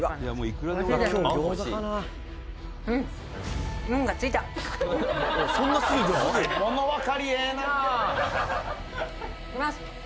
「いきます」